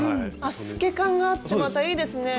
透け感があってまたいいですね。